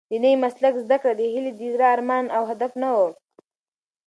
د نوي مسلک زده کړه د هیلې د زړه ارمان او هدف نه و.